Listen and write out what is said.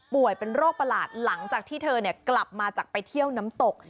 เป็นโรคประหลาดหลังจากที่เธอกลับมาจากไปเที่ยวน้ำตก